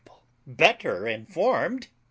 better informed .